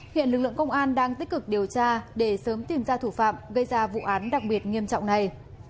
hiện lực lượng công an đang tích cực điều tra để sớm tìm ra thủ phạm gây ra vụ án đặc biệt nghiêm trọng này